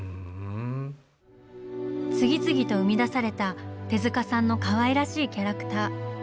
次々と生み出された手さんのかわいらしいキャラクター。